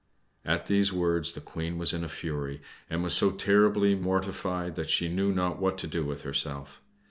At these words the Queen was in a fury, and was so terribly mortified that she knew not what to do with herself.